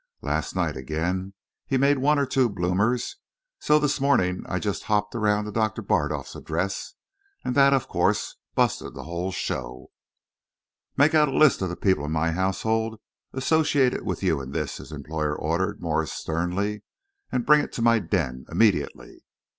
Last night again he made one or two bloomers, so this morning I just hopped round to Doctor Bardolf's address, and that, of course, busted the whole show." "Make me out a list of the people in my household associated with you in this," his employer ordered Morse sternly, "and bring it to my den immediately.